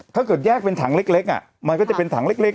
ถ้าเกิดแยกเป็นถังเล็กเล็กอ่ะก็จะเป็นถังเล็กเล็ก